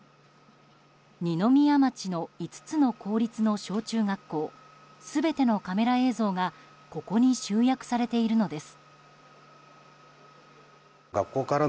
二宮町の５つの公立の小中学校全てのカメラ映像がここに集約されているのです。